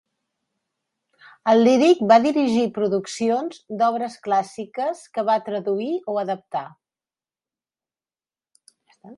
Al Lyric va dirigir produccions d'obres clàssiques que va traduir o adaptar.